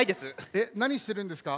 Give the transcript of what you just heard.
えっなにしてるんですか？